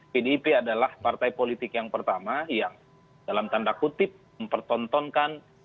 pdip adalah partai politik yang pertama yang dalam tanda kutip mempertontonkan